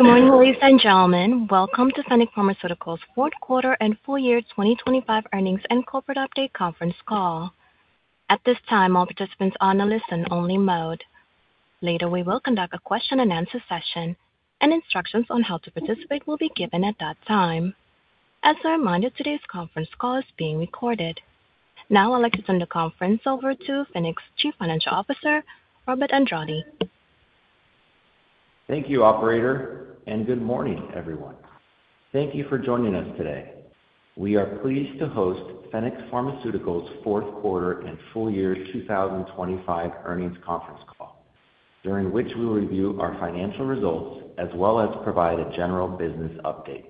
Good morning, ladies and gentlemen. Welcome to Fennec Pharmaceuticals' fourth quarter and full year 2025 earnings and corporate update conference call. At this time, all participants are on a listen-only mode. Later, we will conduct a question-and-answer session, and instructions on how to participate will be given at that time. As a reminder, today's conference call is being recorded. Now I'd like to send the conference over to Fennec's Chief Financial Officer, Robert Andrade. Thank you, operator, and good morning, everyone. Thank you for joining us today. We are pleased to host Fennec Pharmaceuticals' fourth quarter and full year 2025 earnings conference call, during which we will review our financial results as well as provide a general business update.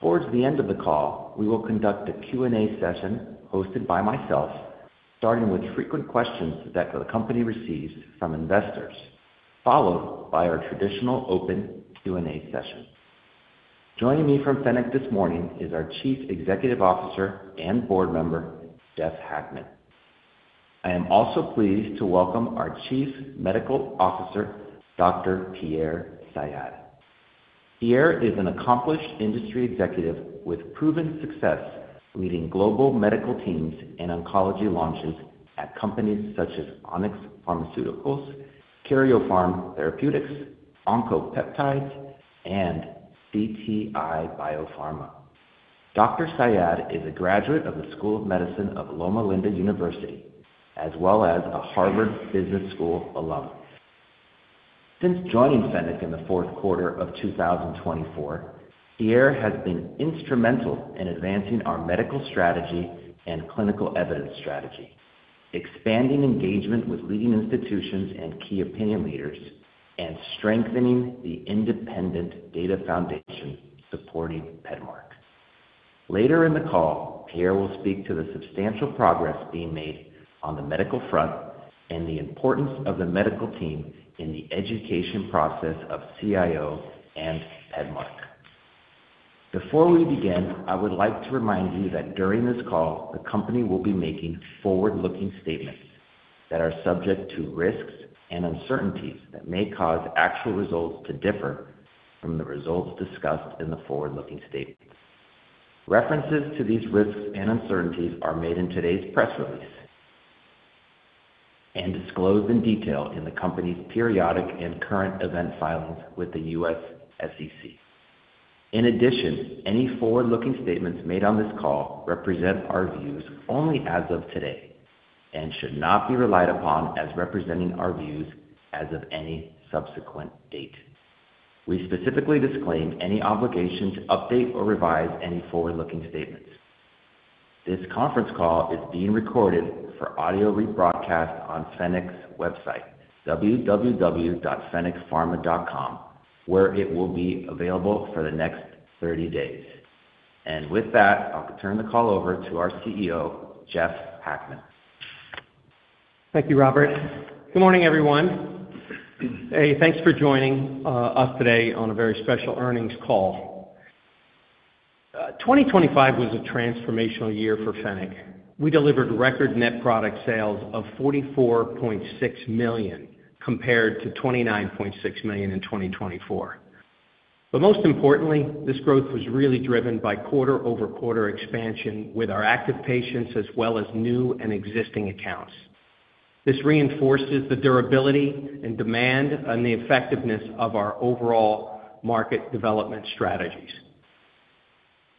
Towards the end of the call, we will conduct a Q&A session hosted by myself, starting with frequent questions that the company receives from investors, followed by our traditional open Q&A session. Joining me from Fennec this morning is our Chief Executive Officer and board member, Jeff Hackman. I am also pleased to welcome our Chief Medical Officer, Dr. Pierre S. Sayad. Pierre is an accomplished industry executive with proven success leading global medical teams and oncology launches at companies such as Onyx Pharmaceuticals, Karyopharm Therapeutics, Oncopeptides, and CTI BioPharma. Dr. Sayad is a graduate of the School of Medicine of Loma Linda University, as well as a Harvard Business School alum. Since joining Fennec in the fourth quarter of 2024, Pierre has been instrumental in advancing our medical strategy and clinical evidence strategy, expanding engagement with leading institutions and key opinion leaders, and strengthening the independent data foundation supporting PEDMARK. Later in the call, Pierre will speak to the substantial progress being made on the medical front and the importance of the medical team in the education process of CIO and PEDMARK. Before we begin, I would like to remind you that during this call, the company will be making forward-looking statements that are subject to risks and uncertainties that may cause actual results to differ from the results discussed in the forward-looking statements. References to these risks and uncertainties are made in today's press release and disclosed in detail in the company's periodic and current filings with the U.S. SEC. In addition, any forward-looking statements made on this call represent our views only as of today and should not be relied upon as representing our views as of any subsequent date. We specifically disclaim any obligation to update or revise any forward-looking statements. This conference call is being recorded for audio rebroadcast on Fennec's website, www.fennecpharma.com, where it will be available for the next 30 days. With that, I'll turn the call over to our CEO, Jeff Hackman. Thank you, Robert. Good morning, everyone. Hey, thanks for joining us today on a very special earnings call. 2025 was a transformational year for Fennec. We delivered record net product sales of $44.6 million, compared to $29.6 million in 2024. Most importantly, this growth was really driven by quarter-over-quarter expansion with our active patients as well as new and existing accounts. This reinforces the durability and demand and the effectiveness of our overall market development strategies.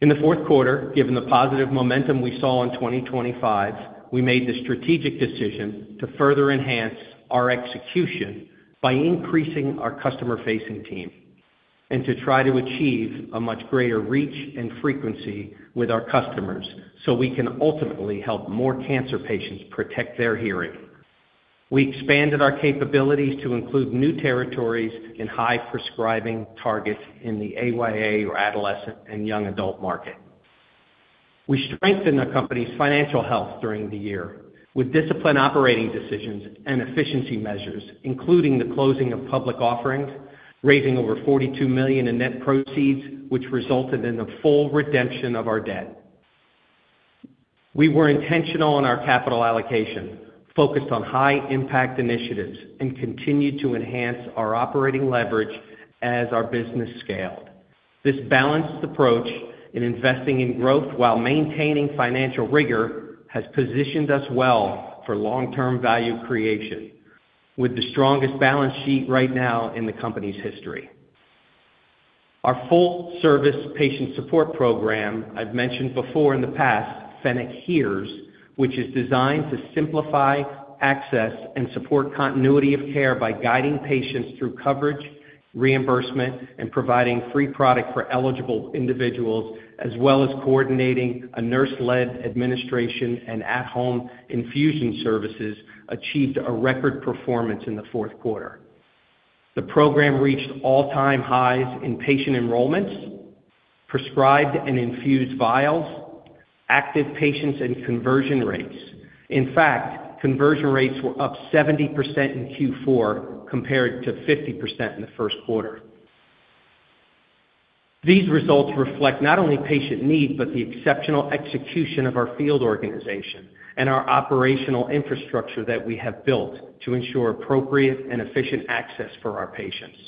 In the fourth quarter, given the positive momentum we saw in 2025, we made the strategic decision to further enhance our execution by increasing our customer-facing team and to try to achieve a much greater reach and frequency with our customers, so we can ultimately help more cancer patients protect their hearing. We expanded our capabilities to include new territories and high-prescribing targets in the AYA or adolescent and young adult market. We strengthened the company's financial health during the year with disciplined operating decisions and efficiency measures, including the closing of public offerings, raising over $42 million in net proceeds, which resulted in the full redemption of our debt. We were intentional in our capital allocation, focused on high-impact initiatives, and continued to enhance our operating leverage as our business scaled. This balanced approach in investing in growth while maintaining financial rigor has positioned us well for long-term value creation, with the strongest balance sheet right now in the company's history. Our full-service patient support program, I've mentioned before in the past, Fennec HEARS, which is designed to simplify access and support continuity of care by guiding patients through coverage, reimbursement, and providing free product for eligible individuals, as well as coordinating a nurse-led administration and at-home infusion services, achieved a record performance in the fourth quarter. The program reached all-time highs in patient enrollments, prescribed and infused vials, active patients, and conversion rates. In fact, conversion rates were up 70% in Q4 compared to 50% in the first quarter. These results reflect not only patient need, but the exceptional execution of our field organization and our operational infrastructure that we have built to ensure appropriate and efficient access for our patients.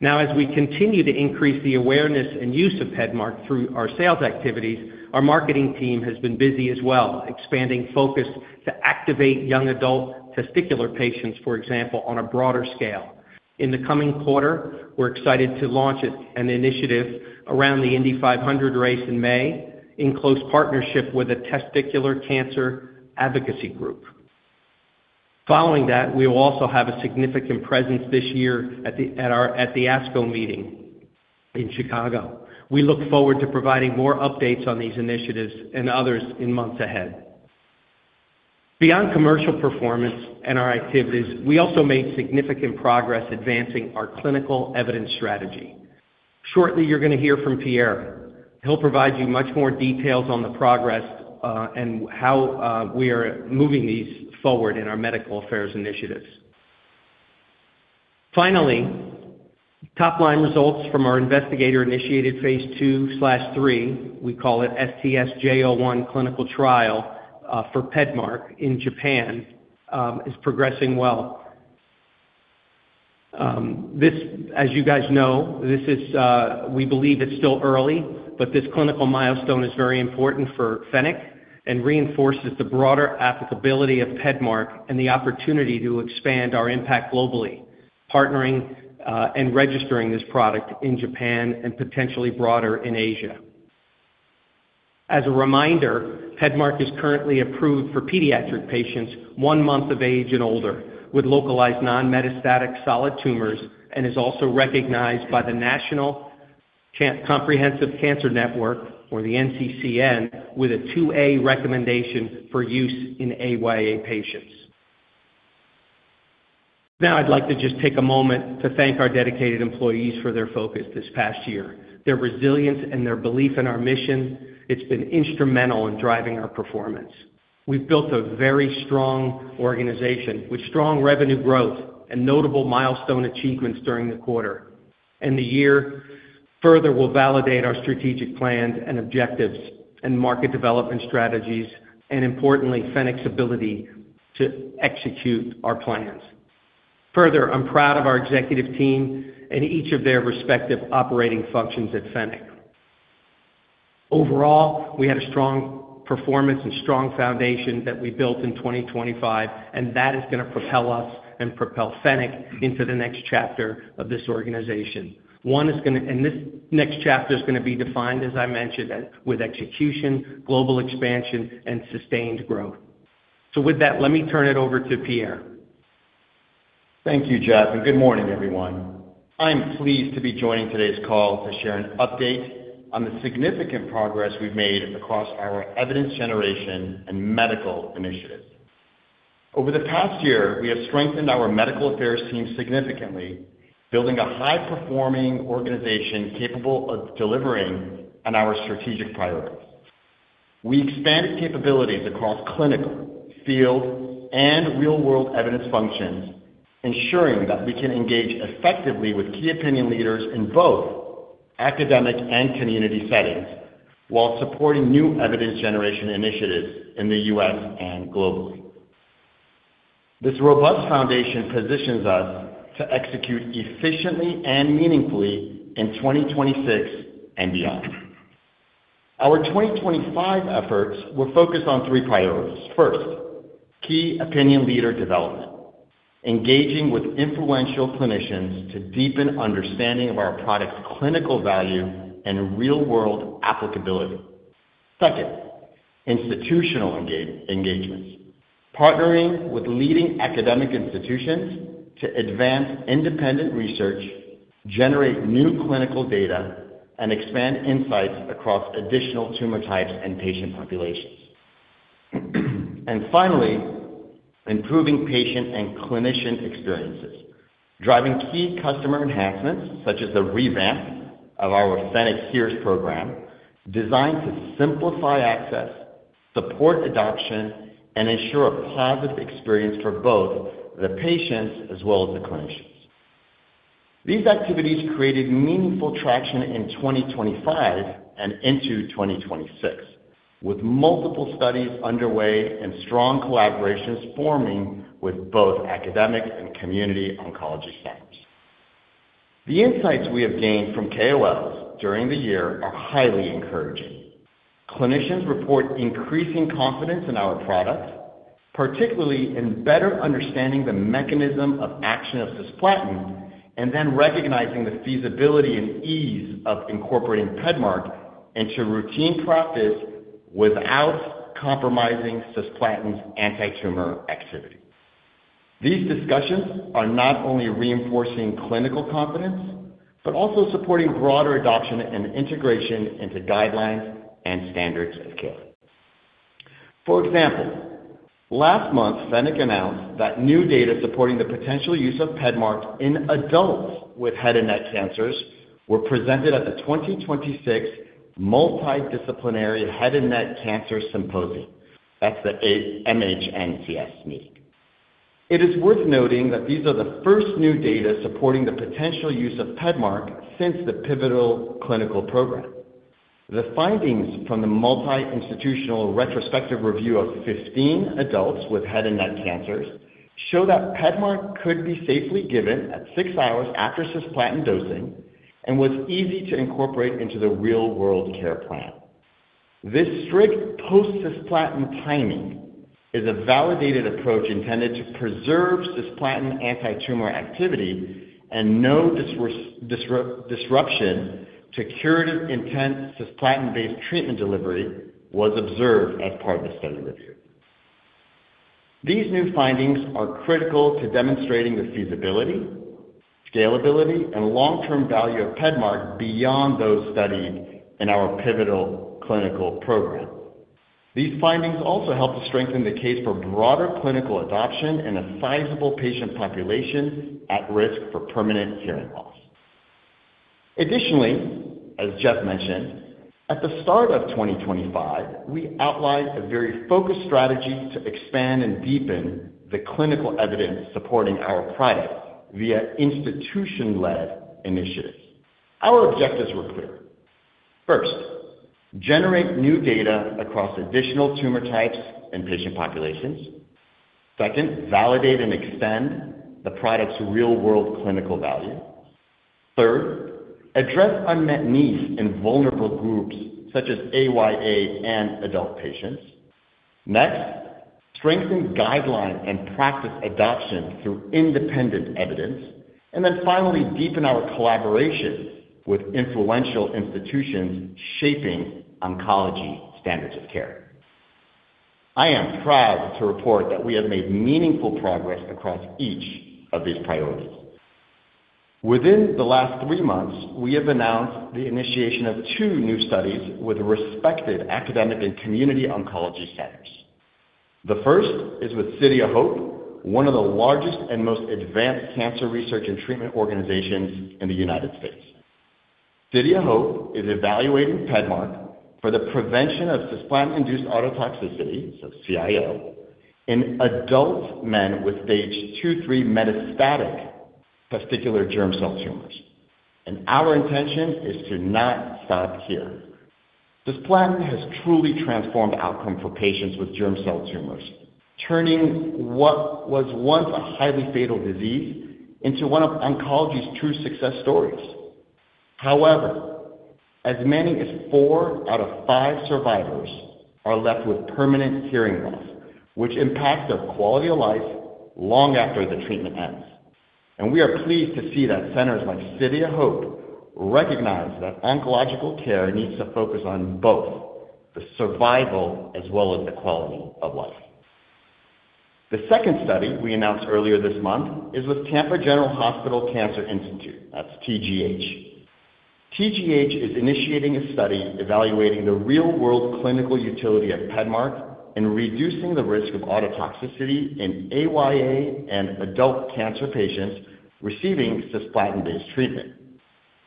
Now, as we continue to increase the awareness and use of PEDMARK through our sales activities, our marketing team has been busy as well, expanding focus to activate young adult testicular patients, for example, on a broader scale. In the coming quarter, we're excited to launch an initiative around the Indy 500 race in May in close partnership with a testicular cancer advocacy group. Following that, we will also have a significant presence this year at the ASCO meeting in Chicago. We look forward to providing more updates on these initiatives and others in months ahead. Beyond commercial performance and our activities, we also made significant progress advancing our clinical evidence strategy. Shortly, you're gonna hear from Pierre. He'll provide you much more details on the progress, and how we are moving these forward in our medical affairs initiatives. Finally, top-line results from our investigator-initiated phase II/III, we call it STS-J01 clinical trial, for PEDMARK in Japan, is progressing well. As you guys know, this is, we believe it's still early, but this clinical milestone is very important for Fennec and reinforces the broader applicability of PEDMARK and the opportunity to expand our impact globally, partnering, and registering this product in Japan and potentially broader in Asia. As a reminder, PEDMARK is currently approved for pediatric patients one month of age and older with localized non-metastatic solid tumors and is also recognized by the National Comprehensive Cancer Network or the NCCN with a 2-A recommendation for use in AYA patients. Now I'd like to just take a moment to thank our dedicated employees for their focus this past year. Their resilience and their belief in our mission, it's been instrumental in driving our performance. We've built a very strong organization with strong revenue growth and notable milestone achievements during the quarter. The year further will validate our strategic plans and objectives and market development strategies, and importantly, Fennec's ability to execute our plans. Further, I'm proud of our executive team and each of their respective operating functions at Fennec. Overall, we had a strong performance and strong foundation that we built in 2025, and that is gonna propel us and propel Fennec into the next chapter of this organization. This next chapter is gonna be defined, as I mentioned, with execution, global expansion and sustained growth. With that, let me turn it over to Pierre. Thank you, Jeff, and good morning, everyone. I'm pleased to be joining today's call to share an update on the significant progress we've made across our evidence generation and medical initiatives. Over the past year, we have strengthened our medical affairs team significantly, building a high-performing organization capable of delivering on our strategic priorities. We expanded capabilities across clinical, field, and real-world evidence functions, ensuring that we can engage effectively with key opinion leaders in both academic and community settings while supporting new evidence generation initiatives in the U.S. and globally. This robust foundation positions us to execute efficiently and meaningfully in 2026 and beyond. Our 2025 efforts were focused on three priorities. First, key opinion leader development, engaging with influential clinicians to deepen understanding of our product's clinical value and real-world applicability. Second, institutional engagements. Partnering with leading academic institutions to advance independent research, generate new clinical data, and expand insights across additional tumor types and patient populations. Finally, improving patient and clinician experiences, driving key customer enhancements such as the revamp of our Fennec HEARS program designed to simplify access, support adoption, and ensure a positive experience for both the patients as well as the clinicians. These activities created meaningful traction in 2025 and into 2026, with multiple studies underway and strong collaborations forming with both academic and community oncology centers. The insights we have gained from KOLs during the year are highly encouraging. Clinicians report increasing confidence in our products, particularly in better understanding the mechanism of action of cisplatin and then recognizing the feasibility and ease of incorporating PEDMARK into routine practice without compromising cisplatin's antitumor activity. These discussions are not only reinforcing clinical confidence, but also supporting broader adoption and integration into guidelines and standards of care. For example, last month, Fennec announced that new data supporting the potential use of PEDMARK in adults with head and neck cancers were presented at the 2026 Multidisciplinary Head and Neck Cancers Symposium. That's the MHNCS meeting. It is worth noting that these are the first new data supporting the potential use of PEDMARK since the pivotal clinical program. The findings from the multi-institutional retrospective review of 15 adults with head and neck cancers show that PEDMARK could be safely given at 6 hours after cisplatin dosing and was easy to incorporate into the real-world care plan. This strict post-cisplatin timing is a validated approach intended to preserve cisplatin anti-tumor activity and no disruption to curative-intent cisplatin-based treatment delivery was observed as part of the study review. These new findings are critical to demonstrating the feasibility, scalability, and long-term value of PEDMARK beyond those studied in our pivotal clinical program. These findings also help to strengthen the case for broader clinical adoption in a sizable patient population at risk for permanent hearing loss. Additionally, as Jeff mentioned, at the start of 2025, we outlined a very focused strategy to expand and deepen the clinical evidence supporting our products via institution-led initiatives. Our objectives were clear. First, generate new data across additional tumor types and patient populations. Second, validate and extend the product's real-world clinical value. Third, address unmet needs in vulnerable groups such as AYA and adult patients. Next, strengthen guideline and practice adoption through independent evidence. Finally, deepen our collaborations with influential institutions shaping oncology standards of care. I am proud to report that we have made meaningful progress across each of these priorities. Within the last three months, we have announced the initiation of two new studies with respected academic and community oncology centers. The first is with City of Hope, one of the largest and most advanced cancer research and treatment organizations in the United States. City of Hope is evaluating PEDMARK for the prevention of cisplatin-induced ototoxicity, so CIO, in adult men with stage 2-3 metastatic testicular germ cell tumors, and our intention is to not stop here. Cisplatin has truly transformed outcome for patients with germ cell tumors, turning what was once a highly fatal disease into one of oncology's true success stories. However, as many as four out of five survivors are left with permanent hearing loss, which impacts their quality of life long after the treatment ends, and we are pleased to see that centers like City of Hope recognize that oncological care needs to focus on both the survival as well as the quality of life. The second study we announced earlier this month is with Tampa General Hospital Cancer Institute. That's TGH. TGH is initiating a study evaluating the real-world clinical utility of PEDMARK in reducing the risk of ototoxicity in AYA and adult cancer patients receiving cisplatin-based treatment.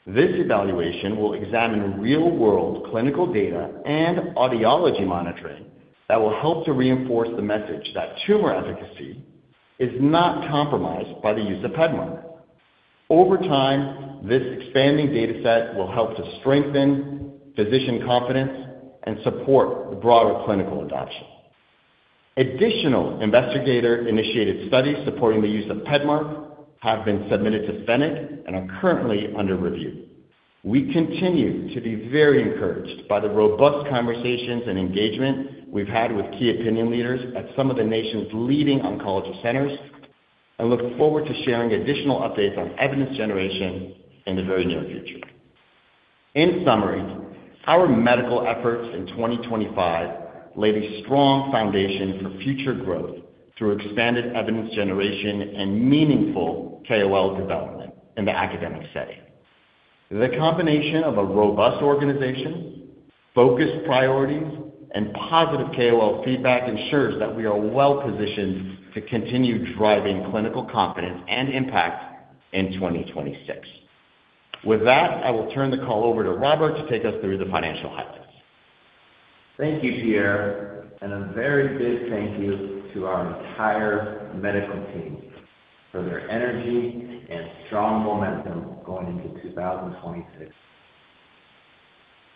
This evaluation will examine real-world clinical data and audiology monitoring that will help to reinforce the message that tumor efficacy is not compromised by the use of PEDMARK. Over time, this expanding data set will help to strengthen physician confidence and support the broader clinical adoption. Additional investigator-initiated studies supporting the use of PEDMARK have been submitted to Fennec and are currently under review. We continue to be very encouraged by the robust conversations and engagement we've had with key opinion leaders at some of the nation's leading oncology centers and look forward to sharing additional updates on evidence generation in the very near future. In summary, our medical efforts in 2025 laid a strong foundation for future growth through expanded evidence generation and meaningful KOL development in the academic setting. The combination of a robust organization, focused priorities, and positive KOL feedback ensures that we are well-positioned to continue driving clinical confidence and impact in 2026. With that, I will turn the call over to Robert to take us through the financial highlights. Thank you, Pierre, and a very big thank you to our entire medical team for their energy and strong momentum going into 2026.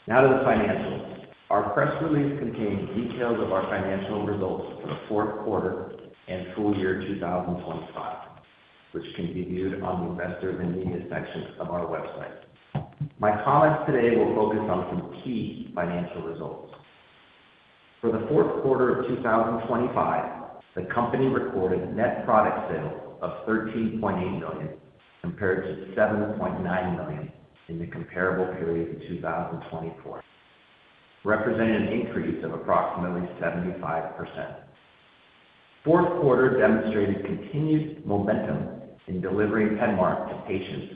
Now to the financials. Our press release contains details of our financial results for the fourth quarter and full year 2025, which can be viewed on the Investors and Media section of our website. My comments today will focus on some key financial results. For the fourth quarter of 2025, the company recorded net product sales of $13.8 million, compared to $7.9 million in the comparable period in 2024, representing an increase of approximately 75%. Fourth quarter demonstrated continued momentum in delivering PEDMARK to patients,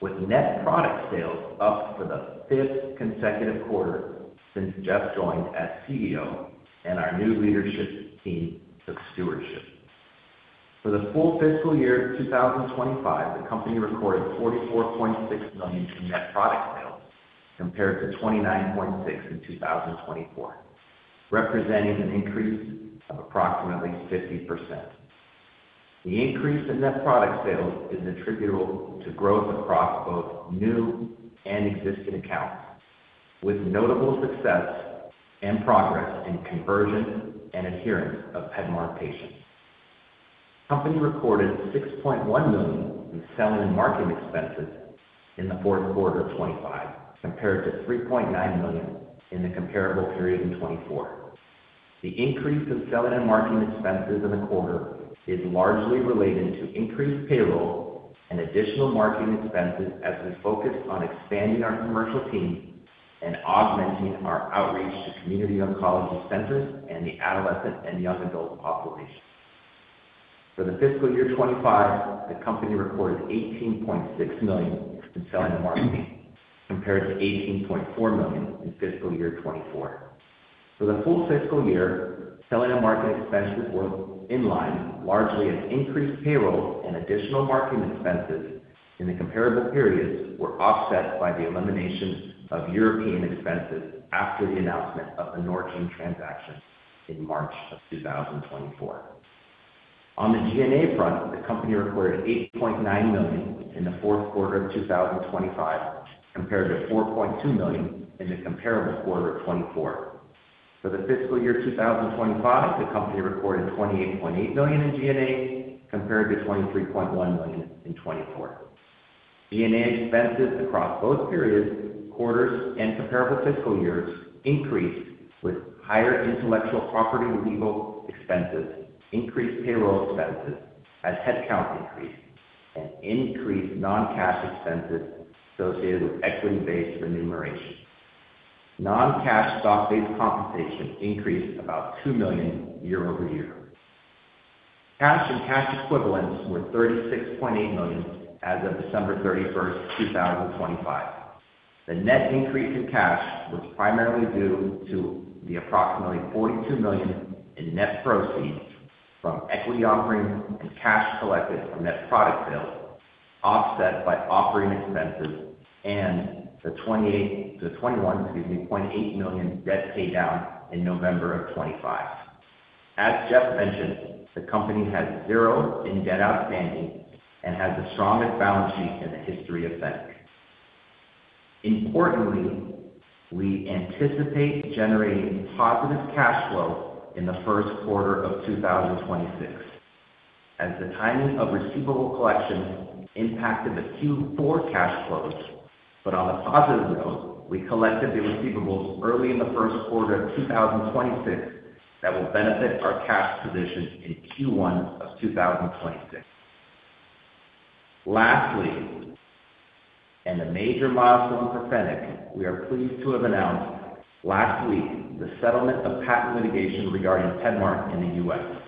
with net product sales up for the fifth consecutive quarter since Jeff joined as CEO and our new leadership team took stewardship. For the full fiscal year 2025, the company recorded $44.6 million in net product sales. Compared to $29.6 million in 2024, representing an increase of approximately 50%. The increase in net product sales is attributable to growth across both new and existing accounts, with notable success and progress in conversion and adherence of PEDMARK patients. The company recorded $6.1 million in selling and marketing expenses in the fourth quarter of 2025 compared to $3.9 million in the comparable period in 2024. The increase of selling and marketing expenses in the quarter is largely related to increased payroll and additional marketing expenses as we focus on expanding our commercial team and augmenting our outreach to community oncology centers and the adolescent and young adult population. For the fiscal year 2025, the company recorded $18.6 million in selling and marketing compared to $18.4 million in fiscal year 2024. For the full fiscal year, selling and marketing expenses were in line largely as increased payroll and additional marketing expenses in the comparable periods were offset by the elimination of European expenses after the announcement of the Norgine transaction in March of 2024. On the G&A front, the company recorded $8.9 million in the fourth quarter of 2025 compared to $4.2 million in the comparable quarter of 2024. For the fiscal year 2025, the company recorded $28.8 million in G&A compared to $23.1 million in 2024. G&A expenses across both periods, quarters and comparable fiscal years increased with higher intellectual property legal expenses, increased payroll expenses as head count increased, and increased non-cash expenses associated with equity-based remuneration. Non-cash stock-based compensation increased about $2 million year-over-year. Cash and cash equivalents were $36.8 million as of December 31, 2025. The net increase in cash was primarily due to the approximately $42 million in net proceeds from equity offerings and cash collected from net product sales, offset by operating expenses and the twenty-one, excuse me, $21.8 million debt pay down in November 2025. As Jeff mentioned, the company has zero debt outstanding and has the strongest balance sheet in the history of Fennec. Importantly, we anticipate generating positive cash flow in the first quarter of 2026 as the timing of receivable collection impacted the Q4 cash flows. On a positive note, we collected the receivables early in the first quarter of 2026 that will benefit our cash position in Q1 of 2026. Lastly, and a major milestone for Fennec, we are pleased to have announced last week the settlement of patent litigation regarding PEDMARK in the U.S.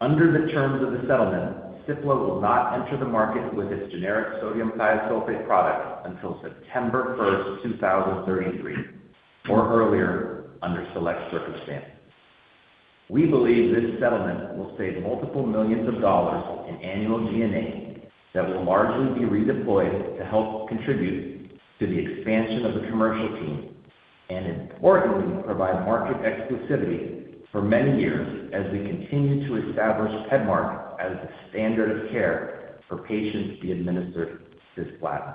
Under the terms of the settlement, Cipla will not enter the market with its generic sodium thiosulfate product until September 1, 2033, or earlier under select circumstances. We believe this settlement will save multiple millions of dollars in annual G&A that will largely be redeployed to help contribute to the expansion of the commercial team and importantly, provide market exclusivity for many years as we continue to establish PEDMARK as the standard of care for patients being administered cisplatin.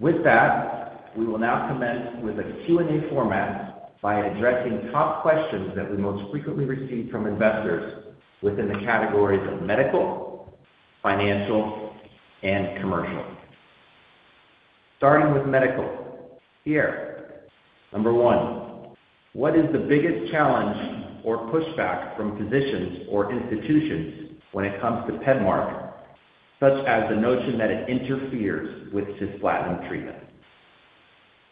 With that, we will now commence with a Q&A format by addressing top questions that we most frequently receive from investors within the categories of medical, financial, and commercial. Starting with medical, here, number one. What is the biggest challenge or pushback from physicians or institutions when it comes to PEDMARK, such as the notion that it interferes with cisplatin treatment?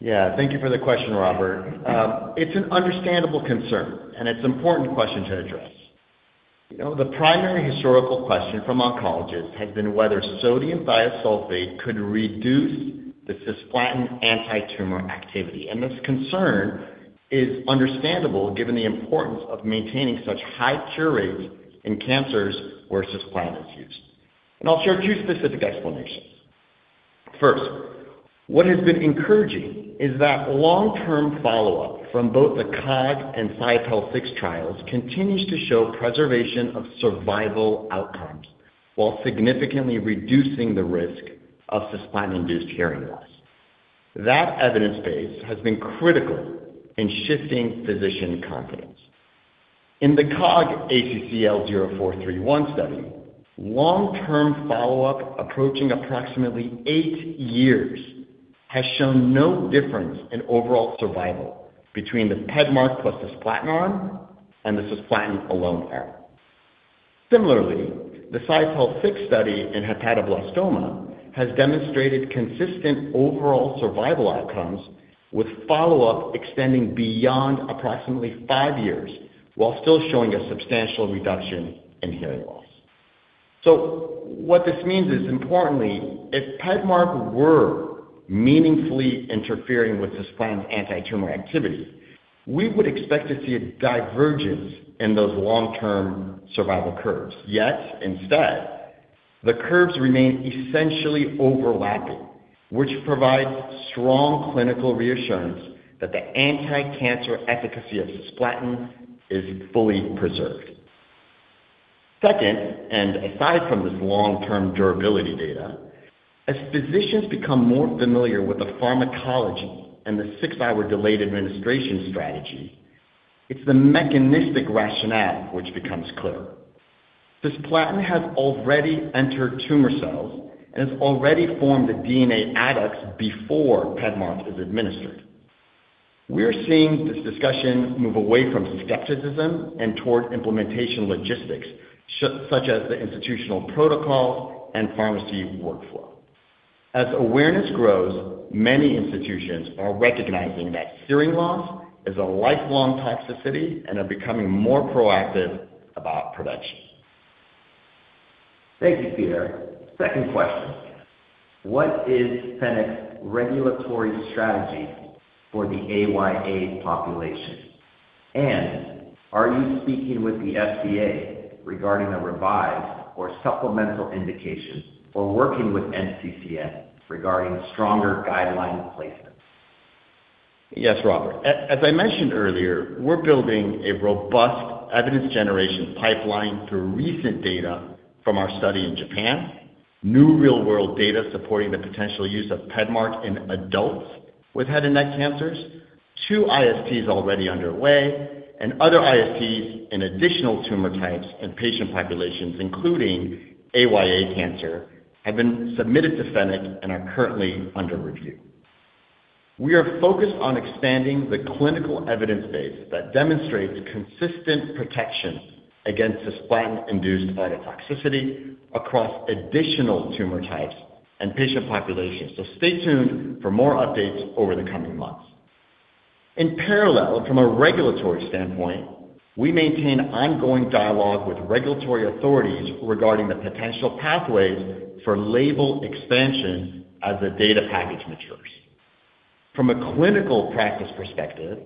Yeah. Thank you for the question, Robert. It's an understandable concern, and it's an important question to address. You know, the primary historical question from oncologists has been whether sodium thiosulfate could reduce the cisplatin anti-tumor activity. This concern is understandable given the importance of maintaining such high cure rates in cancers where cisplatin is used. I'll share two specific explanations. First, what has been encouraging is that long-term follow-up from both the COG and SIOPEL 6 trials continues to show preservation of survival outcomes while significantly reducing the risk of cisplatin-induced hearing loss. That evidence base has been critical in shifting physician confidence. In the COG ACCL0431 study, long-term follow-up approaching approximately eight years has shown no difference in overall survival between the PEDMARK plus cisplatin arm and the cisplatin alone arm. Similarly, the SIOPEL 6 study in hepatoblastoma has demonstrated consistent overall survival outcomes with follow-up extending beyond approximately five years, while still showing a substantial reduction in hearing loss. What this means is, importantly, if PEDMARK were meaningfully interfering with cisplatin's anti-tumor activity, we would expect to see a divergence in those long-term survival curves. Instead, the curves remain essentially overlapping, which provides strong clinical reassurance that the anticancer efficacy of cisplatin is fully preserved. Second, and aside from this long-term durability data, as physicians become more familiar with the pharmacology and the 6 hour delayed administration strategy, it's the mechanistic rationale which becomes clearer. Cisplatin has already entered tumor cells and has already formed the DNA adducts before PEDMARK is administered. We are seeing this discussion move away from skepticism and towards implementation logistics, such as the institutional protocol and pharmacy workflow. As awareness grows, many institutions are recognizing that hearing loss is a lifelong toxicity and are becoming more proactive about prevention. Thank you, Pierre. Second question. What is Fennec's regulatory strategy for the AYA population? Are you speaking with the FDA regarding a revised or supplemental indication or working with NCCN regarding stronger guideline placements? Yes, Robert. As I mentioned earlier, we're building a robust evidence generation pipeline through recent data from our study in Japan, new real-world data supporting the potential use of PEDMARK in adults with head and neck cancers, two ISTs already underway, and other ISTs in additional tumor types and patient populations, including AYA cancer, have been submitted to Fennec and are currently under review. We are focused on expanding the clinical evidence base that demonstrates consistent protection against cisplatin-induced ototoxicity across additional tumor types and patient populations. Stay tuned for more updates over the coming months. In parallel, from a regulatory standpoint, we maintain ongoing dialogue with regulatory authorities regarding the potential pathways for label expansion as the data package matures. From a clinical practice perspective,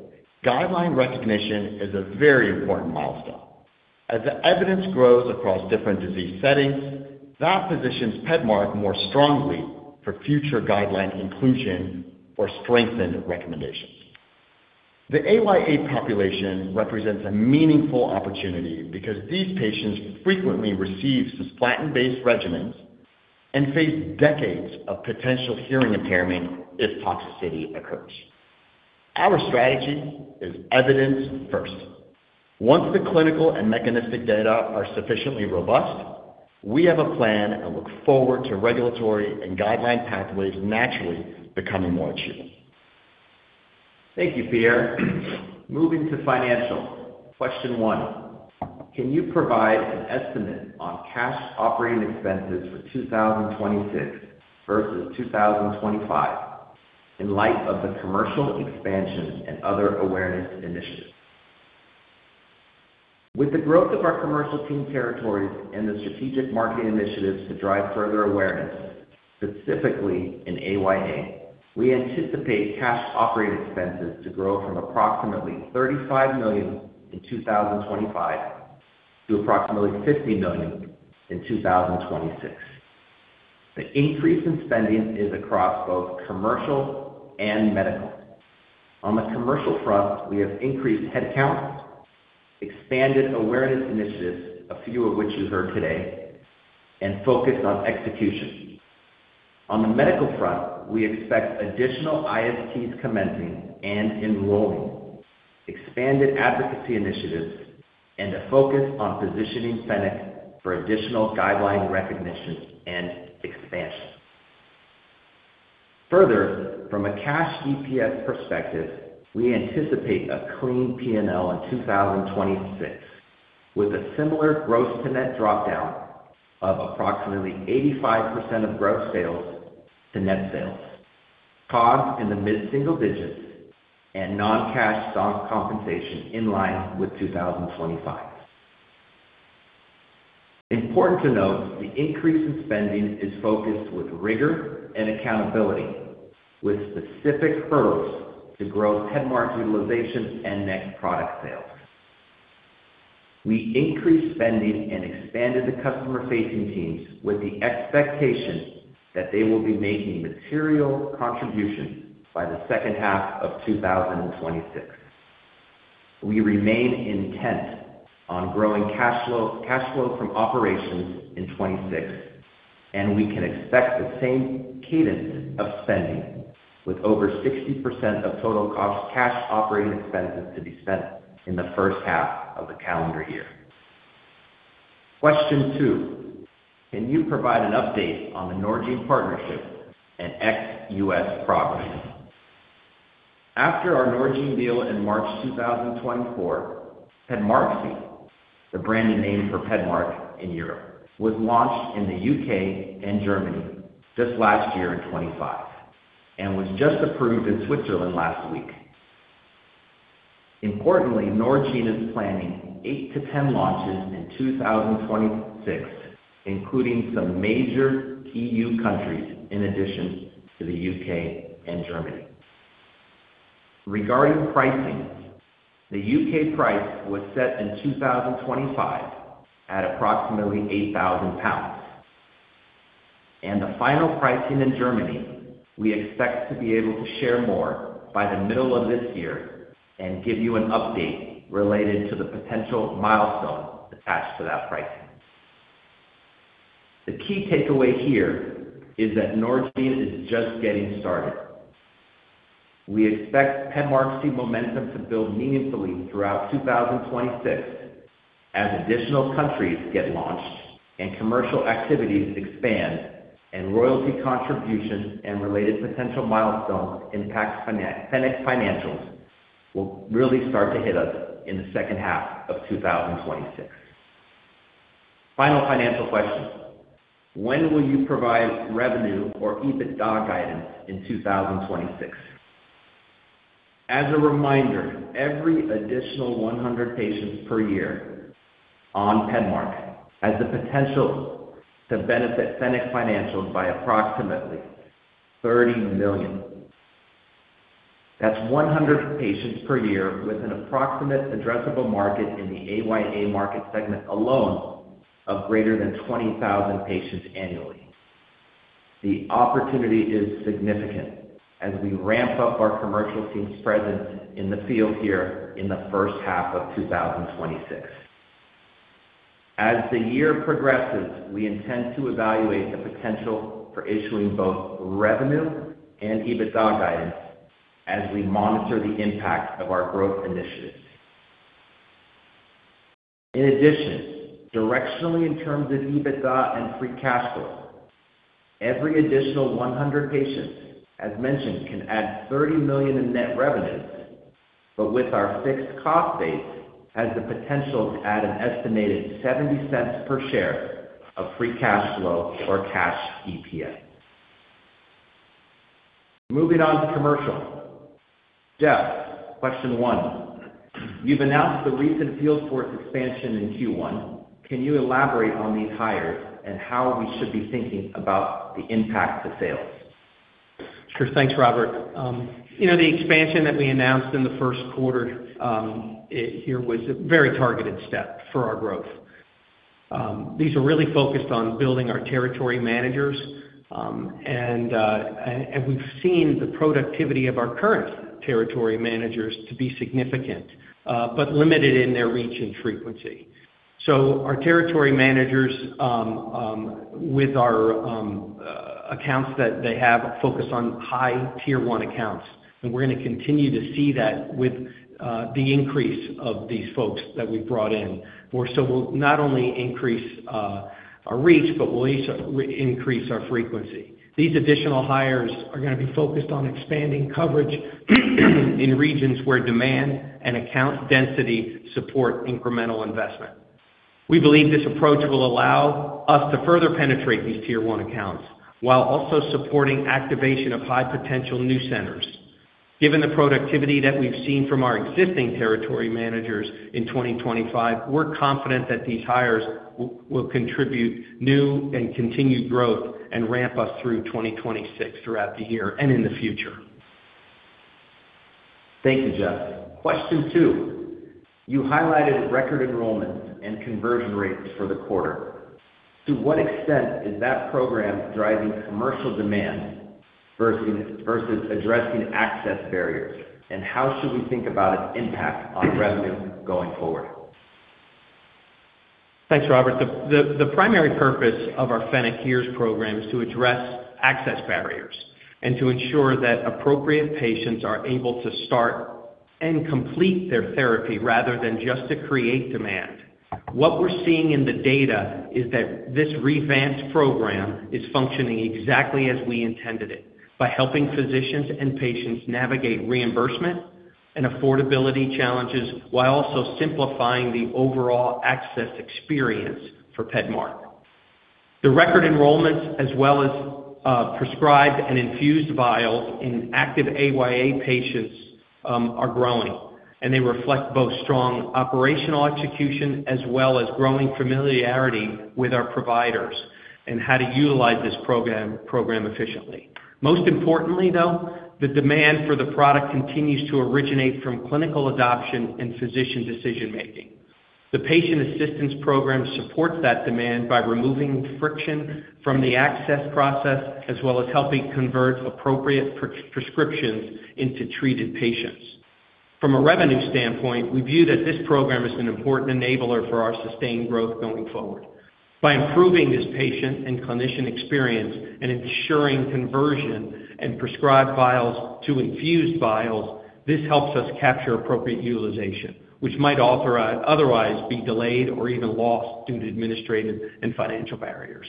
guideline recognition is a very important milestone. As the evidence grows across different disease settings, that positions PEDMARK more strongly for future guideline inclusion or strengthened recommendations. The AYA population represents a meaningful opportunity because these patients frequently receive cisplatin-based regimens and face decades of potential hearing impairment if toxicity occurs. Our strategy is evidence first. Once the clinical and mechanistic data are sufficiently robust, we have a plan and look forward to regulatory and guideline pathways naturally becoming more achievable. Thank you, Pierre. Moving to financial. Question one, can you provide an estimate on cash operating expenses for 2026 versus 2025 in light of the commercial expansion and other awareness initiatives? With the growth of our commercial team territories and the strategic marketing initiatives to drive further awareness, specifically in AYA, we anticipate cash operating expenses to grow from approximately $35 million in 2025 to approximately $50 million in 2026. The increase in spending is across both commercial and medical. On the commercial front, we have increased headcount, expanded awareness initiatives, a few of which you heard today, and focused on execution. On the medical front, we expect additional ISTs commencing and enrolling, expanded advocacy initiatives, and a focus on positioning Fennec for additional guideline recognition and expansion. Further, from a cash EPS perspective, we anticipate a clean P&L in 2026, with a similar gross to net drop-down of approximately 85% of gross sales to net sales, COGS in the mid-single digits, and non-cash stock compensation in line with 2025. Important to note, the increase in spending is focused with rigor and accountability, with specific hurdles to grow PEDMARK utilization and net product sales. We increased spending and expanded the customer-facing teams with the expectation that they will be making material contribution by the second half of 2026. We remain intent on growing cash flow, cash flow from operations in 2026, and we can expect the same cadence of spending with over 60% of total cash operating expenses to be spent in the first half of the calendar year. Question 2, can you provide an update on the Norgine partnership and ex-U.S. progress? After our Norgine deal in March 2024, PEDMARQSI, the branded name for PEDMARK in Europe, was launched in the U.K. and Germany just last year in 2025, and was just approved in Switzerland last week. Importantly, Norgine is planning 8-10 launches in 2026, including some major EU countries in addition to the U.K. and Germany. Regarding pricing, the U.K. price was set in 2025 at approximately 8,000 pounds. The final pricing in Germany, we expect to be able to share more by the middle of this year and give you an update related to the potential milestone attached to that pricing. The key takeaway here is that Norgine is just getting started. We expect PEDMARK's momentum to build meaningfully throughout 2026 as additional countries get launched and commercial activities expand and royalty contributions and related potential milestones impact Fennec financials will really start to hit us in the second half of 2026. Final financial question. When will you provide revenue or EBITDA guidance in 2026? As a reminder, every additional 100 patients per year on PEDMARK has the potential to benefit Fennec financials by approximately $30 million. That's 100 patients per year with an approximate addressable market in the AYA market segment alone of greater than 20,000 patients annually. The opportunity is significant as we ramp up our commercial team's presence in the field here in the first half of 2026. As the year progresses, we intend to evaluate the potential for issuing both revenue and EBITDA guidance as we monitor the impact of our growth initiatives. In addition, directionally, in terms of EBITDA and free cash flow, every additional 100 patients, as mentioned, can add $30 million in net revenues, but with our fixed cost base has the potential to add an estimated $0.70 per share of free cash flow or cash EPS. Moving on to commercial. Jeff, question one. You've announced the recent field force expansion in Q1. Can you elaborate on these hires and how we should be thinking about the impact to sales? Sure. Thanks, Robert. You know, the expansion that we announced in the first quarter was a very targeted step for our growth. These are really focused on building our territory managers. We've seen the productivity of our current territory managers to be significant, but limited in their reach and frequency. Our territory managers, with our accounts that they have, focus on high tier one accounts, and we're gonna continue to see that with the increase of these folks that we've brought in. So we'll not only increase our reach, but we'll also increase our frequency. These additional hires are gonna be focused on expanding coverage in regions where demand and account density support incremental investment. We believe this approach will allow us to further penetrate these tier one accounts while also supporting activation of high potential new centers. Given the productivity that we've seen from our existing territory managers in 2025, we're confident that these hires will contribute new and continued growth and ramp us through 2026 throughout the year and in the future. Thank you, Jeff. Question two. You highlighted record enrollments and conversion rates for the quarter. To what extent is that program driving commercial demand versus addressing access barriers, and how should we think about its impact on revenue going forward? Thanks, Robert. The primary purpose of our Fennec HEARS program is to address access barriers and to ensure that appropriate patients are able to start and complete their therapy rather than just to create demand. What we're seeing in the data is that this revamped program is functioning exactly as we intended it by helping physicians and patients navigate reimbursement and affordability challenges while also simplifying the overall access experience for PEDMARK. The record enrollments as well as prescribed and infused vials in active AYA patients are growing, and they reflect both strong operational execution as well as growing familiarity with our providers and how to utilize this program efficiently. Most importantly, though, the demand for the product continues to originate from clinical adoption and physician decision-making. The patient assistance program supports that demand by removing friction from the access process as well as helping convert appropriate pre-prescriptions into treated patients. From a revenue standpoint, we view that this program is an important enabler for our sustained growth going forward. By improving this patient and clinician experience and ensuring conversion and prescribed vials to infused vials, this helps us capture appropriate utilization, which might otherwise be delayed or even lost due to administrative and financial barriers.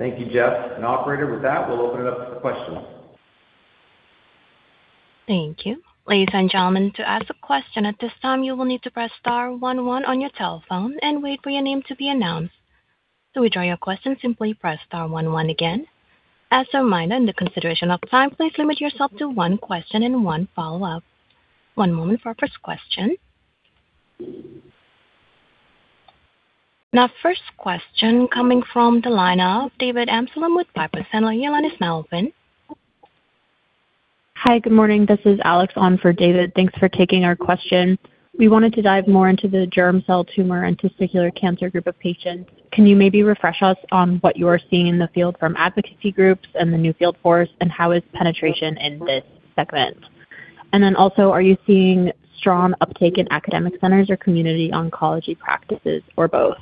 Thank you, Jeff. Operator, with that, we'll open it up for questions. Thank you. Ladies and gentlemen, to ask a question at this time, you will need to press star one one on your telephone and wait for your name to be announced. To withdraw your question, simply press star one one again. As a reminder, in the consideration of time, please limit yourself to one question and one follow-up. One moment for our first question. Now first question coming from the line of David Amsellem with Piper Sandler. Your line is now open. Hi. Good morning. This is Alex on for David. Thanks for taking our question. We wanted to dive more into the germ cell tumor and testicular cancer group of patients. Can you maybe refresh us on what you are seeing in the field from advocacy groups and the new field force, and how is penetration in this segment? Then also, are you seeing strong uptake in academic centers or community oncology practices or both?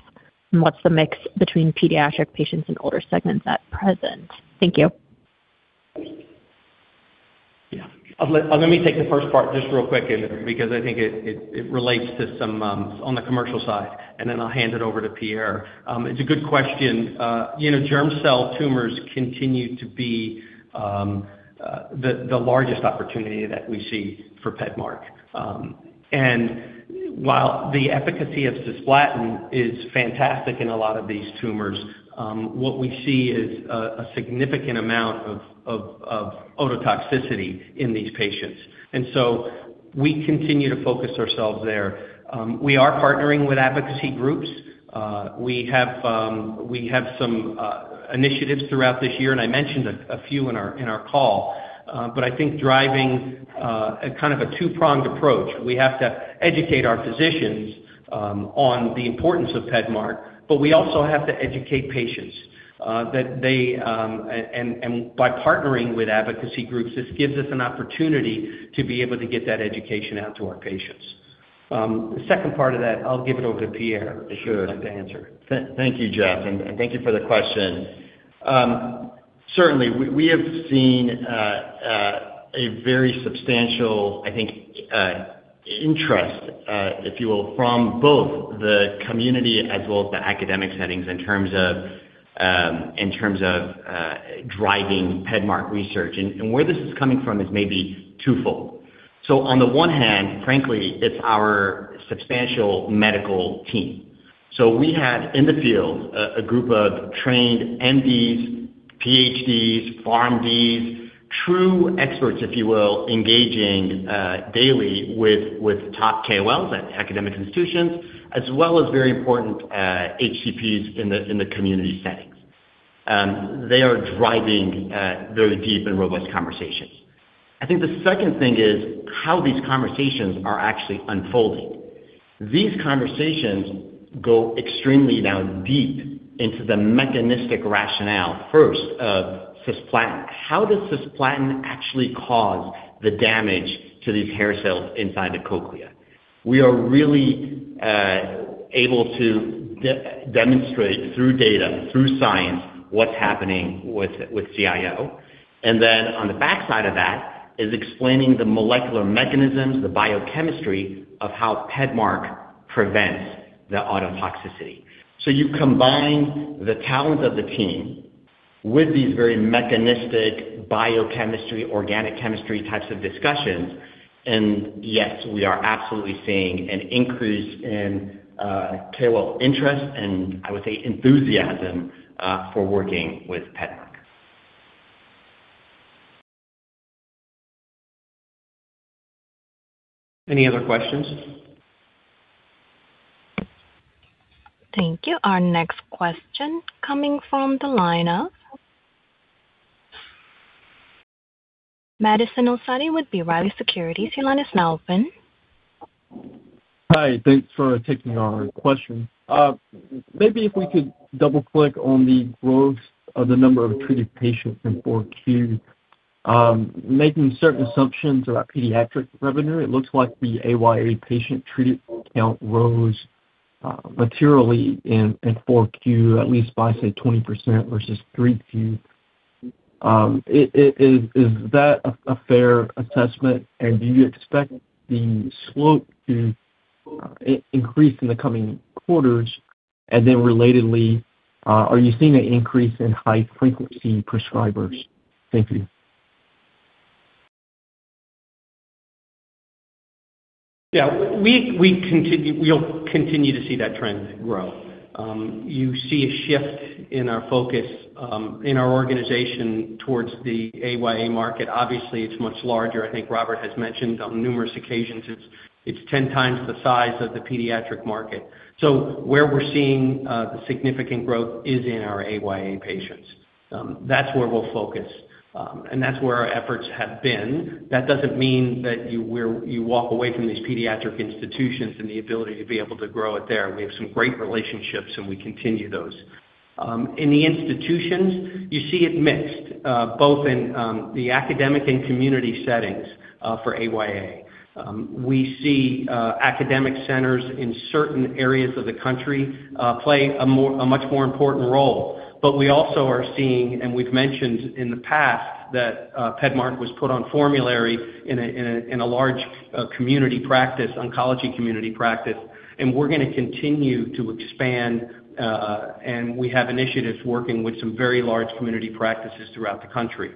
What's the mix between pediatric patients and older segments at present? Thank you. Yeah. Let me take the first part just real quick because I think it relates to some on the commercial side, and then I'll hand it over to Pierre. It's a good question. You know, germ cell tumors continue to be the largest opportunity that we see for PEDMARK. While the efficacy of cisplatin is fantastic in a lot of these tumors, what we see is a significant amount of ototoxicity in these patients. We continue to focus ourselves there. We are partnering with advocacy groups. We have some initiatives throughout this year, and I mentioned a few in our call. I think driving a kind of a two-pronged approach, we have to educate our physicians on the importance of PEDMARK, but we also have to educate patients by partnering with advocacy groups, this gives us an opportunity to be able to get that education out to our patients. The second part of that, I'll give it over to Pierre if you would like to answer it. Sure. Thank you, Jeff, and thank you for the question. Certainly we have seen a very substantial, I think, interest, if you will, from both the community as well as the academic settings in terms of driving PEDMARK research. Where this is coming from is maybe twofold. On the one hand, frankly, it's our substantial medical team. We have in the field a group of trained MDs, PhDs, PharmDs, true experts, if you will, engaging daily with top KOLs at academic institutions, as well as very important HCPs in the community settings. They are driving very deep and robust conversations. I think the second thing is how these conversations are actually unfolding. These conversations go extremely down deep into the mechanistic rationale, first of cisplatin. How does cisplatin actually cause the damage to these hair cells inside the cochlea? We are really able to demonstrate through data, through science, what's happening with CIO. Then on the backside of that is explaining the molecular mechanisms, the biochemistry of how PEDMARK prevents the ototoxicity. You combine the talent of the team with these very mechanistic biochemistry, organic chemistry types of discussions, and yes, we are absolutely seeing an increase in KOL interest and I would say enthusiasm for working with PEDMARK. Any other questions? Thank you. Our next question is coming from the line of Madison El-Saadi with B. Riley Securities. Your line is now open. Hi. Thanks for taking our question. Maybe if we could double-click on the growth of the number of treated patients in 4Q. Making certain assumptions about pediatric revenue, it looks like the AYA patient treated count rose materially in 4Q, at least by, say, 20% versus 3Q. Is that a fair assessment? Do you expect the slope to increase in the coming quarters? Relatedly, are you seeing an increase in high-frequency prescribers? Thank you. Yeah. We'll continue to see that trend grow. You see a shift in our focus in our organization towards the AYA market. Obviously, it's much larger. I think Robert has mentioned on numerous occasions, it's 10 times the size of the pediatric market. Where we're seeing the significant growth is in our AYA patients. That's where we'll focus, and that's where our efforts have been. That doesn't mean that we're walking away from these pediatric institutions and the ability to be able to grow it there. We have some great relationships, and we continue those. In the institutions, you see it mixed, both in the academic and community settings, for AYA. We see academic centers in certain areas of the country play a much more important role. We also are seeing, and we've mentioned in the past that, PEDMARK was put on formulary in a large oncology community practice, and we're gonna continue to expand, and we have initiatives working with some very large community practices throughout the country.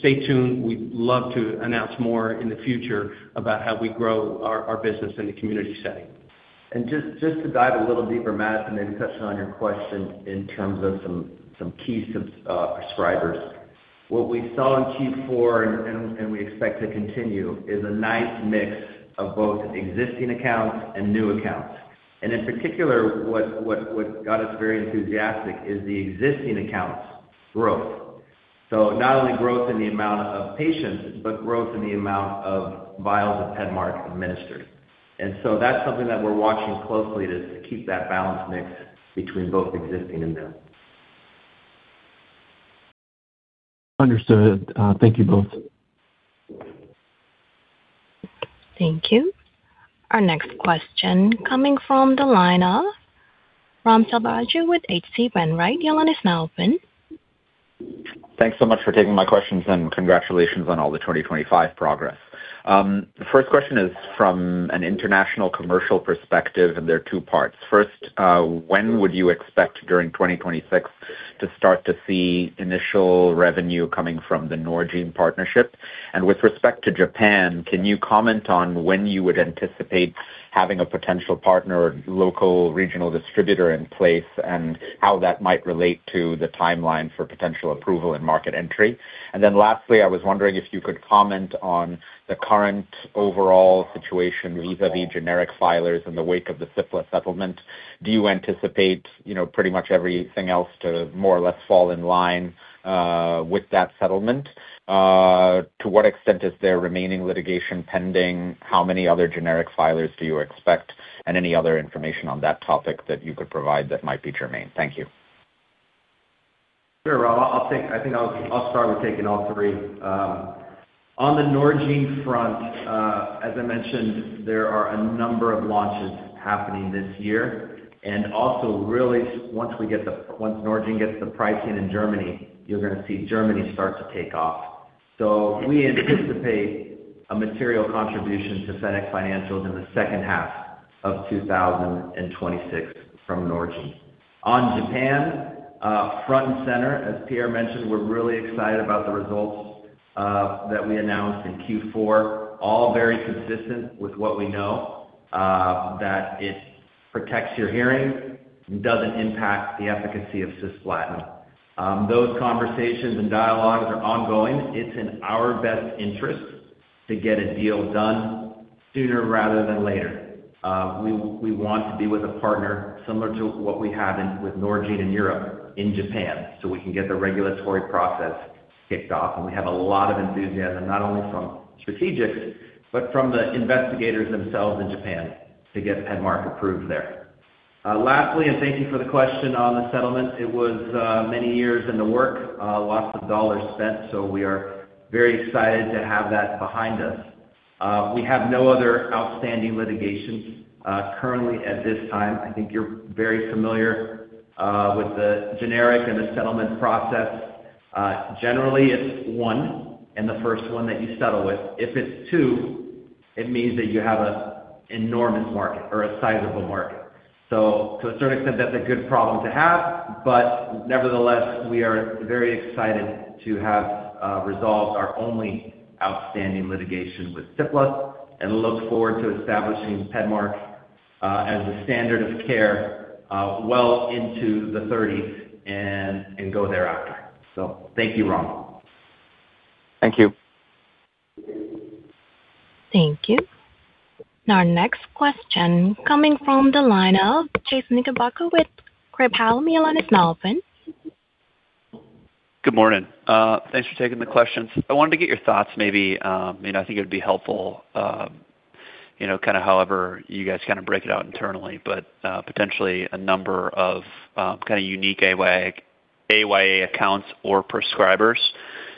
Stay tuned. We'd love to announce more in the future about how we grow our business in the community setting. Just to dive a little deeper, Madison, and touching on your question in terms of some key prescribers. What we saw in Q4 and we expect to continue is a nice mix of both existing accounts and new accounts. In particular, what got us very enthusiastic is the existing accounts growth. Not only growth in the amount of patients, but growth in the amount of vials of PEDMARK administered. That's something that we're watching closely to keep that balance mixed between both existing and new. Understood. Thank you both. Thank you. Our next question coming from the line of Raghuram Selvaraju with H.C. Wainwright, your line is now open. Thanks so much for taking my questions, and congratulations on all the 2025 progress. The first question is from an international commercial perspective, and there are two parts. First, when would you expect during 2026 to start to see initial revenue coming from the Norgine partnership? And with respect to Japan, can you comment on when you would anticipate having a potential partner or local regional distributor in place, and how that might relate to the timeline for potential approval and market entry? And then lastly, I was wondering if you could comment on the current overall situation vis-a-vis generic filers in the wake of the Cipla settlement. Do you anticipate, you know, pretty much everything else to more or less fall in line with that settlement? To what extent is there remaining litigation pending? How many other generic filers do you expect? Any other information on that topic that you could provide that might be germane. Thank you. Sure, Ram. I think I'll start with taking all three. On the Norgine front, as I mentioned, there are a number of launches happening this year. Really, once Norgine gets the pricing in Germany, you're gonna see Germany start to take off. We anticipate a material contribution to Fennec financials in the second half of 2026 from Norgine. On Japan front and center, as Pierre mentioned, we're really excited about the results that we announced in Q4, all very consistent with what we know that it protects your hearing and doesn't impact the efficacy of cisplatin. Those conversations and dialogues are ongoing. It's in our best interest to get a deal done sooner rather than later. We want to be with a partner similar to what we have with Norgine in Europe, in Japan, so we can get the regulatory process kicked off. We have a lot of enthusiasm, not only from strategics, but from the investigators themselves in Japan to get PEDMARK approved there. Lastly, thank you for the question on the settlement. It was many years in the works, lots of dollars spent, so we are very excited to have that behind us. We have no other outstanding litigation currently. I think you're very familiar with the generic and the settlement process. Generally, it's one and the first one that you settle with. If it's two, it means that you have an enormous market or a sizable market. To a certain extent, that's a good problem to have. Nevertheless, we are very excited to have resolved our only outstanding litigation with Cipla and look forward to establishing PEDMARK as a standard of care well into the thirties and go thereafter. Thank you, Ram. Thank you. Thank you. Our next question coming from the line of Chase Knickerbocker with Craig-Hallum. Your line is now open. Good morning. Thanks for taking the questions. I wanted to get your thoughts maybe, you know, I think it would be helpful, you know, kinda however you guys kinda break it out internally, but, potentially a number of, kinda unique AYA accounts or prescribers.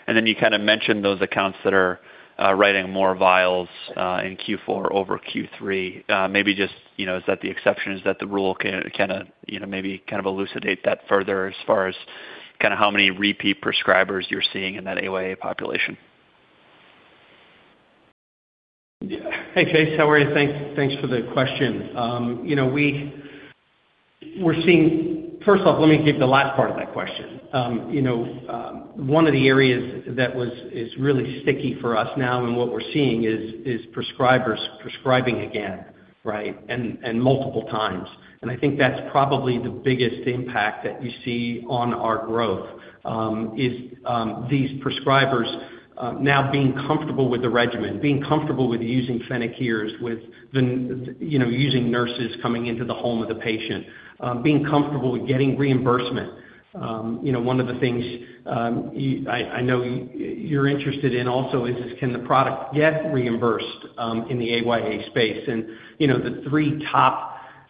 Then you kinda mentioned those accounts that are, writing more vials, in Q4 over Q3. Maybe just, you know, is that the exception? Is that the rule? Kinda, you know, maybe kind of elucidate that further as far as kinda how many repeat prescribers you're seeing in that AYA population. Yeah. Hey, Chase. How are you? Thanks for the question. You know, we're seeing. First off, let me take the last part of that question. You know, one of the areas that is really sticky for us now and what we're seeing is prescribers prescribing again, right? And multiple times. I think that's probably the biggest impact that we see on our growth, is these prescribers now being comfortable with the regimen, being comfortable with using Fennec's, with the, you know, using nurses coming into the home of the patient, being comfortable with getting reimbursement. You know, one of the things, I know you're interested in also is can the product get reimbursed in the AYA space? You know, the three top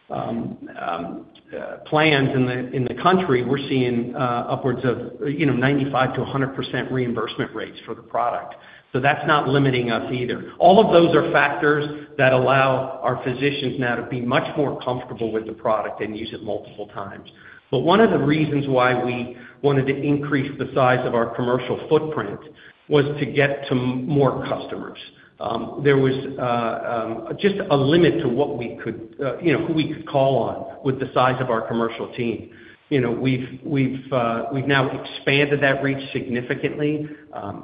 plans in the country, we're seeing upwards of, you know, 95%-100% reimbursement rates for the product. That's not limiting us either. All of those are factors that allow our physicians now to be much more comfortable with the product and use it multiple times. One of the reasons why we wanted to increase the size of our commercial footprint was to get to more customers. There was just a limit to what we could, you know, who we could call on with the size of our commercial team. You know, we've now expanded that reach significantly. I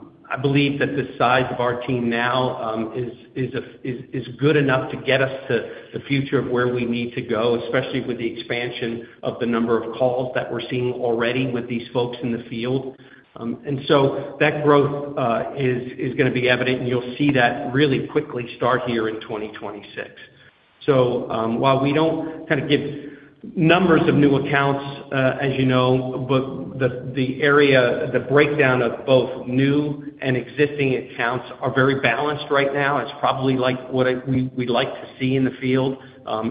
believe that the size of our team now is good enough to get us to the future of where we need to go, especially with the expansion of the number of calls that we're seeing already with these folks in the field. That growth is gonna be evident, and you'll see that really quickly start here in 2026. While we don't kind of give numbers of new accounts, as you know, but the breakdown of both new and existing accounts are very balanced right now. It's probably like what we'd like to see in the field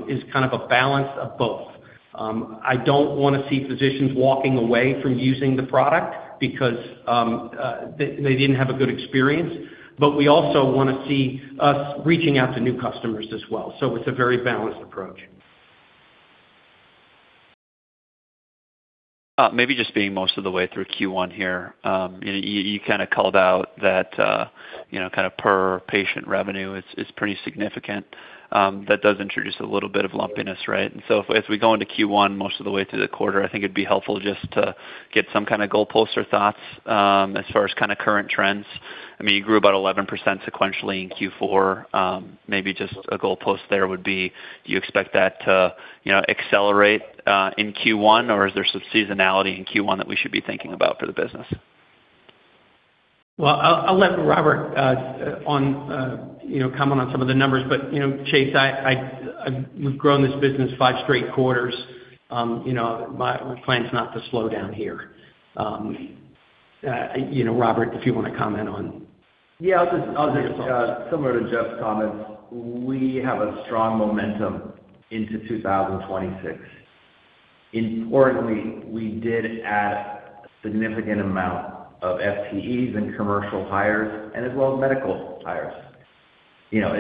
is kind of a balance of both. I don't wanna see physicians walking away from using the product because they didn't have a good experience. we also wanna see us reaching out to new customers as well. It's a very balanced approach. Maybe just being most of the way through Q1 here, you kinda called out that, you know, kind of per patient revenue is pretty significant. That does introduce a little bit of lumpiness, right? If we go into Q1 most of the way through the quarter, I think it'd be helpful just to get some kind of goalpost or thoughts as far as kinda current trends. I mean, you grew about 11% sequentially in Q4. Maybe just a goalpost there would be, do you expect that to, you know, accelerate in Q1, or is there some seasonality in Q1 that we should be thinking about for the business? Well, I'll let Robert, you know, comment on some of the numbers. You know, Chase, we've grown this business five straight quarters, you know, my plan's not to slow down here. You know, Robert, if you wanna comment on. Yeah. I'll just, similar to Jeff's comments, we have a strong momentum into 2026. Importantly, we did add a significant amount of FTEs and commercial hires and as well as medical hires. You know,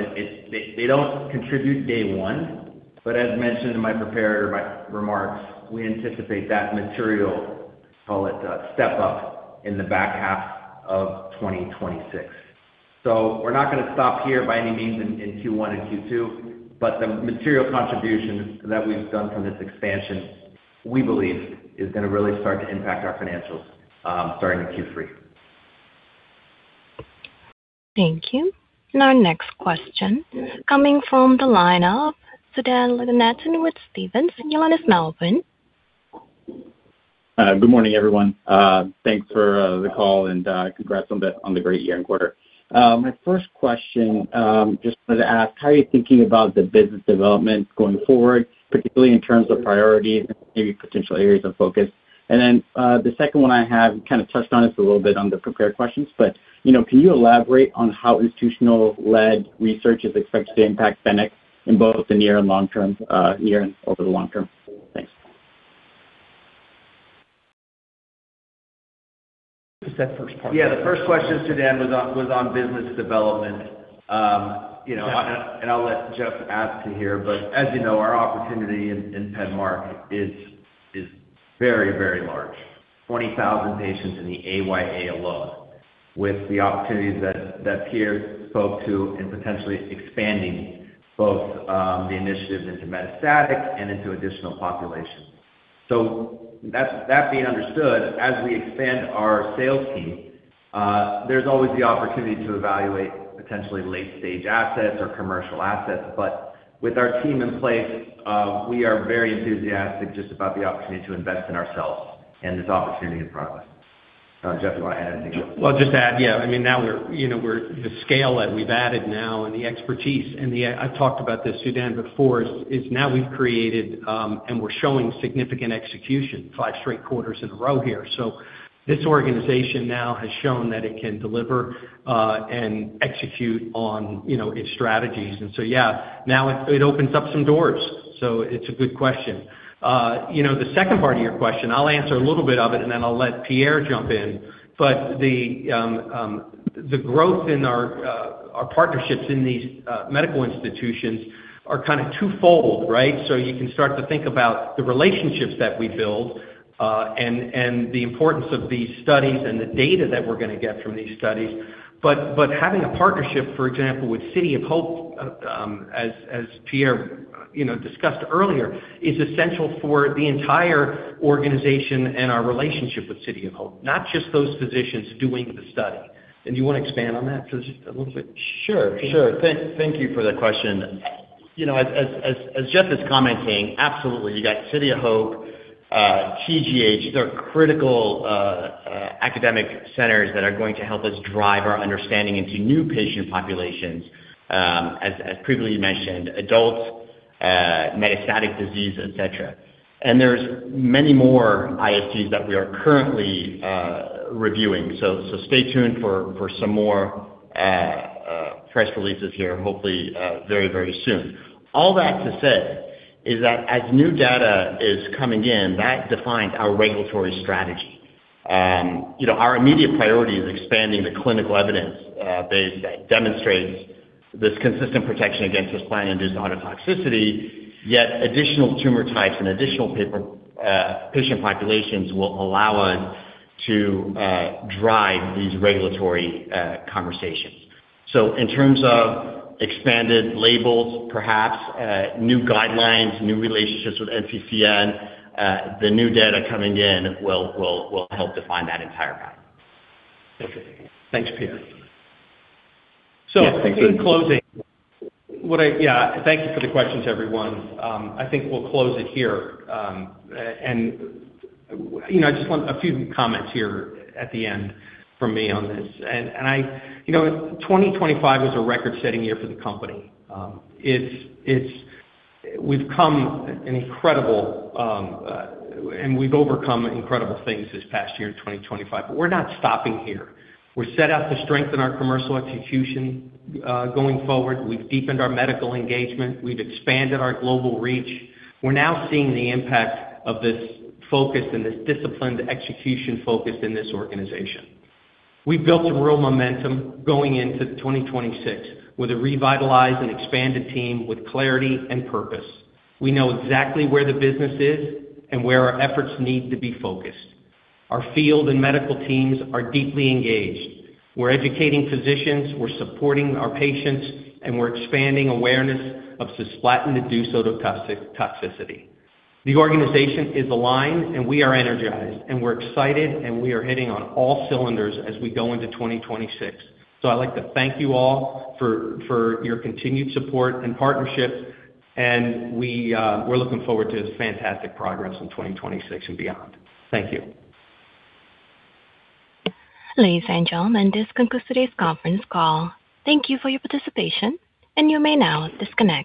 they don't contribute day one, but as mentioned in my prepared remarks, we anticipate that material, call it, step up in the back half of 2026. We're not gonna stop here by any means in Q1 and Q2, but the material contributions that we've done from this expansion, we believe is gonna really start to impact our financials, starting in Q3. Thank you. Our next question coming from the line of Sudan Loganathan with Stephens. Your line is now open. Good morning, everyone. Thanks for the call, and congrats on the great year and quarter. My first question, just to ask, how are you thinking about the business development going forward, particularly in terms of priorities and maybe potential areas of focus? The second one I have kind of touched on this a little bit on the prepared questions, but, you know, can you elaborate on how institutional-led research is expected to impact Fennec's in both the near and long-term here and over the long-term? Thanks. What was that first part? Yeah, the first question, Sudhanva, was on business development. You know, and I'll let Jeff add to that, but as you know, our opportunity in PEDMARK is very large. 20,000 patients in the AYA alone, with the opportunities that Pierre spoke to in potentially expanding both the initiatives into metastatic and into additional populations. That being understood, as we expand our sales team, there's always the opportunity to evaluate potentially late-stage assets or commercial assets. But with our team in place, we are very enthusiastic just about the opportunity to invest in ourselves and this opportunity in PEDMARK. Jeff, you wanna add anything? Well, I'll just add, yeah. I mean, now we're, you know, the scale that we've added now and the expertise, and I've talked about this, Sudhanva, before, is now we've created, and we're showing significant execution five straight quarters in a row here. This organization now has shown that it can deliver, and execute on, you know, its strategies. Yeah, now it opens up some doors. It's a good question. You know, the second part of your question, I'll answer a little bit of it, and then I'll let Pierre jump in. The growth in our partnerships in these medical institutions are kinda twofold, right? You can start to think about the relationships that we build, and the importance of these studies and the data that we're gonna get from these studies. Having a partnership, for example, with City of Hope, as Pierre, you know, discussed earlier, is essential for the entire organization and our relationship with City of Hope, not just those physicians doing the study. Do you wanna expand on that just a little bit? Sure. Thank you for the question. You know, Jeff is commenting, absolutely, you got City of Hope, TGH. These are critical academic centers that are going to help us drive our understanding into new patient populations, previously mentioned, adults, metastatic disease, et cetera. There's many more ISTs that we are currently reviewing. Stay tuned for some more press releases here, hopefully very soon. All that to say is that as new data is coming in, that defines our regulatory strategy. You know, our immediate priority is expanding the clinical evidence base that demonstrates this consistent protection against cisplatin-induced ototoxicity, yet additional tumor types and additional patient populations will allow us to drive these regulatory conversations. In terms of expanded labels, perhaps new guidelines, new relationships with NCCN, the new data coming in will help define that entire path. Okay. Thanks, Pierre. Yeah, thank you. Yeah, thank you for the questions, everyone. I think we'll close it here. You know, I just want a few comments here at the end from me on this. You know, 2025 was a record-setting year for the company. We've come an incredible. We've overcome incredible things this past year in 2025, but we're not stopping here. We're set out to strengthen our commercial execution going forward. We've deepened our medical engagement. We've expanded our global reach. We're now seeing the impact of this focus and this disciplined execution focus in this organization. We've built a real momentum going into 2026 with a revitalized and expanded team with clarity and purpose. We know exactly where the business is and where our efforts need to be focused. Our field and medical teams are deeply engaged. We're educating physicians, we're supporting our patients, and we're expanding awareness of cisplatin-induced ototoxicity. The organization is aligned, and we are energized, and we're excited, and we are hitting on all cylinders as we go into 2026. I'd like to thank you all for your continued support and partnership, and we're looking forward to fantastic progress in 2026 and beyond. Thank you. Ladies and gentlemen, this concludes today's conference call. Thank you for your participation, and you may now disconnect.